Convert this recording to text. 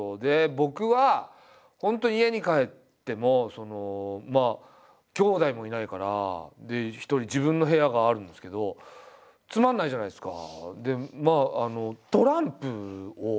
僕は本当家に帰ってもきょうだいもいないから一人自分の部屋があるんですけどつまんないじゃないですか。